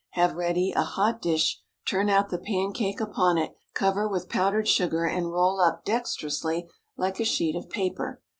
Have ready a hot dish; turn out the pancake upon it, cover with powdered sugar, and roll up dexterously like a sheet of paper.